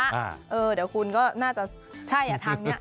เดี๋ยวคุณก็น่าจะใช่ทางนี้